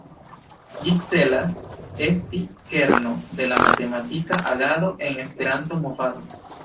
Ĝi celas esti kerno de matematika agado en Esperanto-movado.